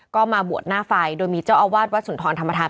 ก็มาบวชหน้าไฟโดยมีเจ้าอาวาสวัดสุนทรธรรมธาน